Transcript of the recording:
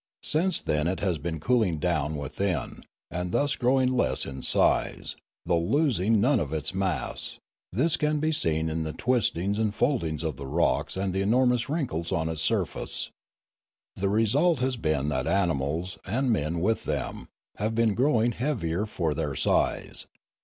Since then it has been cooling down within, and thus growing less in size, though losing none of its mass; this can be seen in the twistings and foldings of the rocks and the enormous wrinkles on its surface. The result has been that animals, and men with them, have been growing heavier for their size.